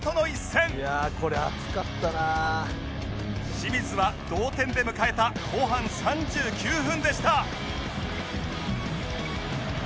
清水は同点で迎えた後半３９分でした！